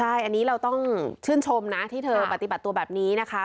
ใช่อันนี้เราต้องชื่นชมนะที่เธอปฏิบัติตัวแบบนี้นะคะ